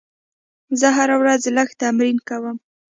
زه هره ورځ لږ تمرین کوم.